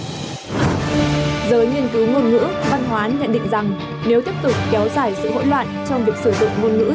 giới nghiên cứu ngôn ngữ văn hóa nhận định rằng nếu tiếp tục kéo dài sự hỗn loạn trong việc sử dụng ngôn ngữ